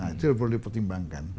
itu perlu dipertimbangkan